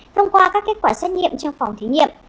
thông qua các kết quả xét nghiệm trong phòng thí nghiệm